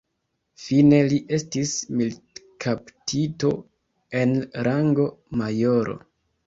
Fine li estis militkaptito en rango majoro.